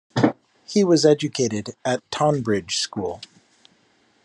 He was educated at Tonbridge School.